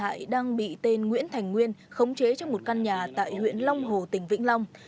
hại đang bị tên nguyễn thành nguyên khống chế trong một căn nhà tại huyện long hồ tỉnh vĩnh long